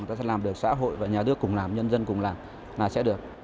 người ta sẽ làm được xã hội và nhà đưa cùng làm nhân dân cùng làm là sẽ được